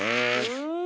うん！